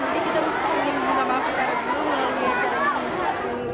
jadi kita ingin mengapa apa terhadap guru